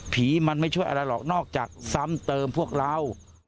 มันไม่ช่วยอะไรหรอกนอกจากซ้ำเติมพวกเรา